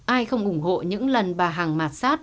ai không ủng hộ những lần bà hàng mạt sát